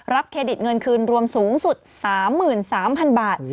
เครดิตเงินคืนรวมสูงสุด๓๓๐๐๐บาท